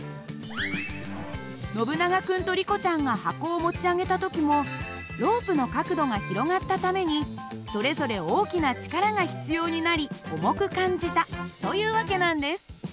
ノブナガ君とリコちゃんが箱を持ち上げた時もロープの角度が広がったためにそれぞれ大きな力が必要になり重く感じたという訳なんです。